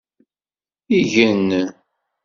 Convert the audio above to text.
Igen.